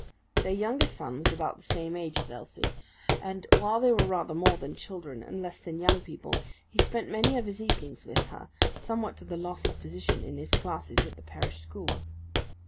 Their youngest son was about the same age as Elsie; and while they were rather more than children, and less than young people, he spent many of his evenings with her, somewhat to the loss of position in his classes at the parish school.